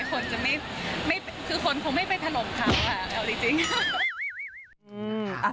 คนคงไม่ไปทะลมเขา